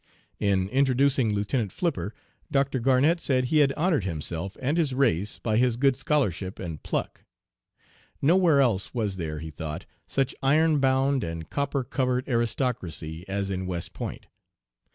In introducing Lieutenant Flipper, Dr. Garnett said he had honored himself and his race by his good scholarship and pluck. Nowhere else was there, he thought, such iron bound and copper covered aristocracy as in West Point.